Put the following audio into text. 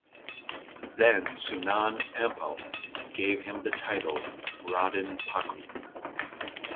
Then Sunan Ampel gave him the title Raden Paku.